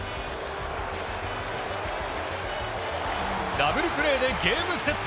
ダブルプレーでゲームセット。